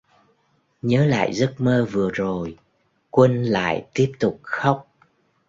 Nhớ lại giấc mơ vừa rồi Quân lại tiếp tục khóc